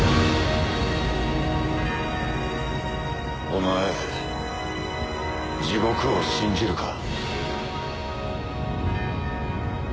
お前地獄を信じるか？